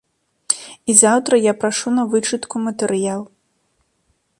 І заўтра я прашу на вычытку матэрыял!